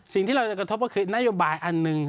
สิ่งที่เราจะกระทบก็คือนโยบายอันหนึ่ง